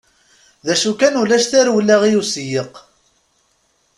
D acu kan ulac tarewla i usiyeq.